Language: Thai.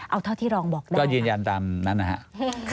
เอาเท่าที่รองบอกได้ก็ยืนยันตามนั้นนะครับ